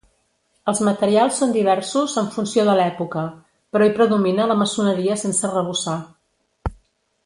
Els materials són diversos en funció de l'època, però hi predomina la maçoneria sense arrebossar.